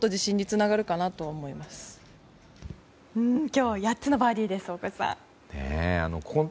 今日８つのバーディーです大越さん。